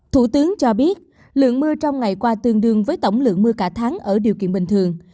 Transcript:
thủ tướng cho biết lượng mưa trong ngày qua tương đương với tổng lượng mưa cả tháng ở điều kiện bình thường